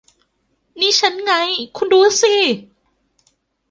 นี่ฉันไง คุณดูสิ